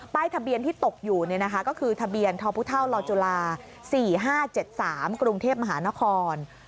ทะเบียนที่ตกอยู่ก็คือทะเบียนทพลจุฬา๔๕๗๓กรุงเทพมหานคร